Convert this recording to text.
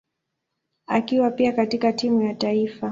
akiwa pia katika timu ya taifa.